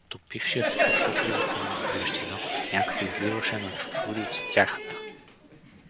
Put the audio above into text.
Топившия се по покривите му от горещината сняг се изливаше на чучури от стряхата.